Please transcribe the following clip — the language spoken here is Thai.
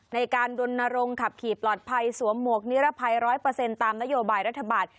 ในการดนรงขับขี่ปลอดภัยสวมหมวกนิรภัยร้อยเปอร์เซ็นต์ตามนโยบายรัฐบาล